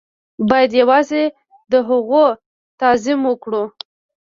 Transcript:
بايد يوازې د هغو تعظيم وکړو.